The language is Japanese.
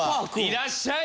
いらっしゃい！